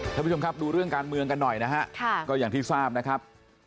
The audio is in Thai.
ท่านผู้ชมครับดูเรื่องการเมืองกันหน่อยนะฮะก็อย่างที่ทราบนะครับ